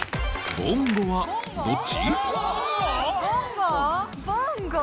ボンゴはどっち？